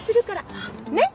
ねっ？